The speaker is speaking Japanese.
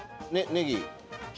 ねぎ。